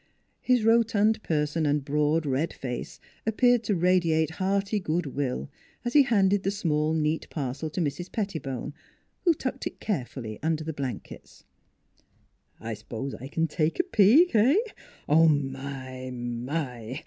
His rotund person and broad red face appeared to radiate hearty good will as he handed the small neat parcel to Mrs. Pettibone, who tucked it care fully under the blankets. " I s'pose I c'n take a peek eh? ... My! My